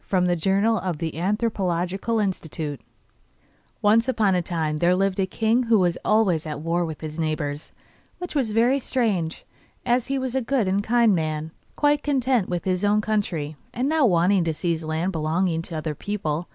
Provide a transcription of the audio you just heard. [From the Journal of the Anthropological Institute.] The Frog and the Lion Fairy Once upon a time there lived a king who was always at war with his neighbours, which was very strange, as he was a good and kind man, quite content with his own country, and not wanting to seize land belonging to other people.